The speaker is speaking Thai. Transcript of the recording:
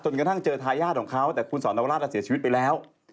กระทั่งเจอทายาทของเขาแต่คุณสอนวราชเสียชีวิตไปแล้ว